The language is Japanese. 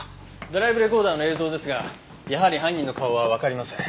ドライブレコーダーの映像ですがやはり犯人の顔はわかりません。